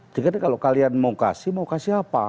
jadi kalau kalian mau kasih mau kasih apa